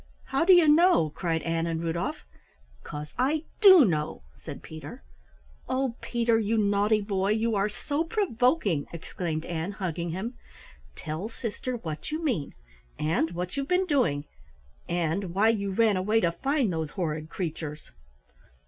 "How do you know?" cried Ann and Rudolf. "'Cause I do know," said Peter. "Oh, Peter, you naughty boy, you are so provoking!" exclaimed Ann, hugging him. "Tell sister what you mean, and what you've been doing and why you ran away to find those horrid creatures!"